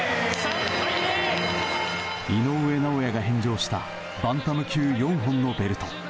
井上尚弥が返上したバンタム級４本のベルト。